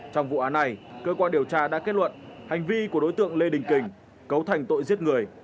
trong vụ án này cơ quan điều tra đã kết luận hành vi của đối tượng lê đình kình cấu thành tội giết người